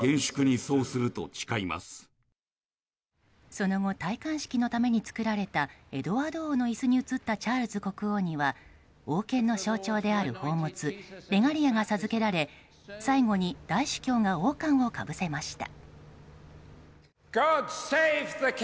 その後戴冠式のために作られたエドワード王の椅子に移ったチャールズ国王には王権の象徴である宝物レガリアが授けられ最後に大司教が王冠をかぶせました。